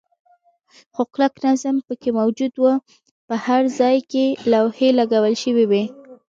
خو کلک نظم پکې موجود و، په هر ځای کې لوحې لګول شوې وې.